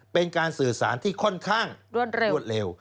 เป็นการสื่อสารที่ค่อนข้างรวดเร็วรวดเร็ว